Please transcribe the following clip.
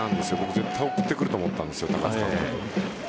絶対送ってくると思ったんです高津監督。